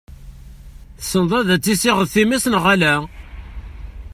Tessneḍ ad tessiɣeḍ times neɣ ala?